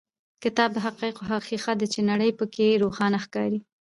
کتاب د حقایقو هغه ښیښه ده چې نړۍ په کې روښانه ښکاري.